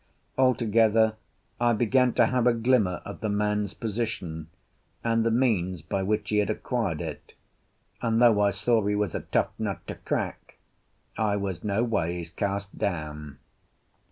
Altogether, I began to have a glimmer of the man's position, and the means by which he had acquired it, and, though I saw he was a tough nut to crack, I was noways cast down.